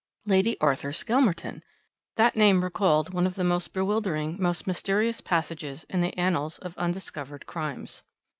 Lady Arthur Skelmerton! That name recalled one of the most bewildering, most mysterious passages in the annals of undiscovered crimes.